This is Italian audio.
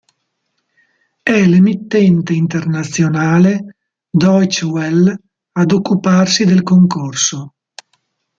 È l’emittente internazionale Deutsche Welle ad occuparsi del concorso.